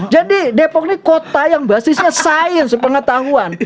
jadi depok ini kota yang basisnya sains pengetahuan